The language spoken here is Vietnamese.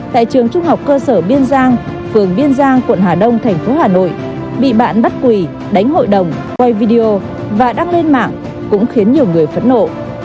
tại trường trung học cơ sở biên giang phường biên giang quận hà đông thành phố hà nội bị bạn bắt quỳ đánh hội đồng quay video và đăng lên mạng cũng khiến nhiều người phẫn nộ